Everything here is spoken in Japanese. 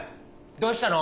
どうしたの？